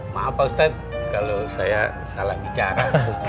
maaf pak ustadz kalau saya salah bicara